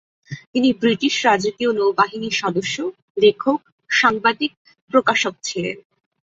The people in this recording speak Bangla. তিনি ব্রিটিশ রাজকীয় নৌবাহিনীর সদস্য, লেখক, সাংবাদিক, প্রকাশক ছিলেন।